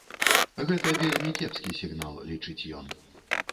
Гэта вельмі кепскі сігнал, лічыць ён.